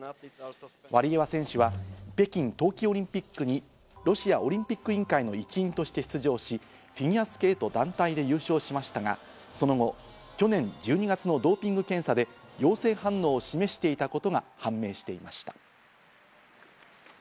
ワリエワ選手は北京冬季オリンピックにロシアオリンピック委員会の一員として出場し、フィギュアスケート団体で優勝しましたが、その後、去年１２月のドーピング検査で陽性反応を示していたことが判明していました。